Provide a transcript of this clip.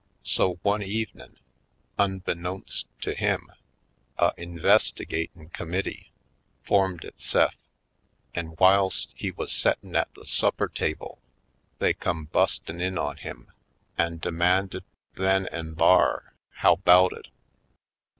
So one evenin', unbe knownst to him, a investigatin' committee formed itse'f, an' whilst he was settin' at the supper table they come bustin' in on him an' demanded then an' thar how 'bout it?